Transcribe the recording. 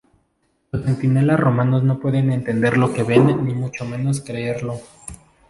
Los centinelas romanos no pueden entender lo que ven ni mucho menos creerlo.